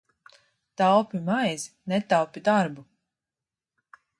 Taupi maizi, netaupi darbu!